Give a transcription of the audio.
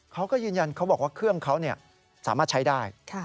เขาก็ยืนยันเขาบอกว่าเครื่องเขาสามารถใช้ได้